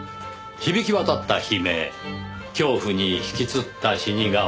響き渡った悲鳴恐怖に引きつった死に顔。